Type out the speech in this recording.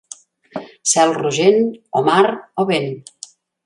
Cel rogent, o mar o vent.